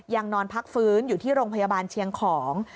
ยังนอนพักฟื้นอยู่ที่โรงพยาบาลเชียงของ